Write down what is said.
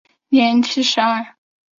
年七十二。